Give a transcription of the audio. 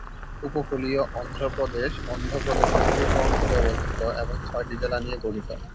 উপকূলীয় অন্ধ্রপ্রদেশ অন্ধ্রপ্রদেশের পূর্ব অঞ্চলে অবস্থিত এবং ছয়টি জেলা নিয়ে গঠিত।